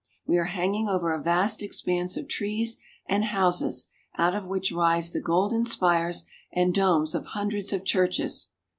We are hanging over a vast expanse of trees and houses, out of which rise the golden spires and domes of hundreds of churches.